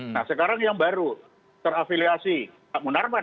nah sekarang yang baru terafiliasi pak munarman